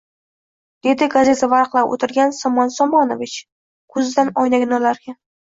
Dedi gazeta varaqlab o`tirgan Somon Somonovich ko`zidan oynagini olarkan